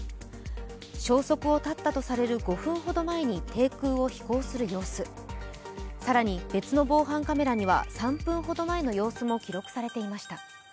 消息を絶ったとされる５分ほど前に低空を飛行する様子、更に別の防犯カメラには、３分ほど前の様子も記録されていました。